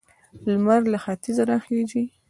لمر له ختیځه راخيژي.